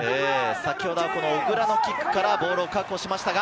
先ほどは小倉のキックからボールを確保しました。